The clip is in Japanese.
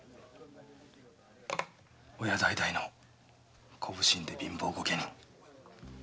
親代々の小普請で貧乏御家人。